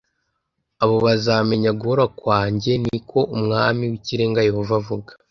abo bazamenya guhora kwanjye, ni ko umwami w’ikirenga yehova avuga